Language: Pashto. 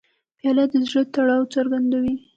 پیاله د زړه تړاو څرګندوي.